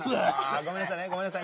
ごめんなさいねごめんなさいね。